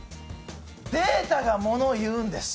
データがものを言うんです！